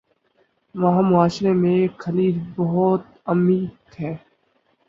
وہاں معاشرے میں ایک خلیج بہت عمیق ہے